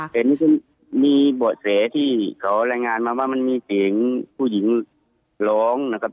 เห็นมีเบาะแสที่เขารายงานมาว่ามันมีเสียงผู้หญิงร้องนะครับ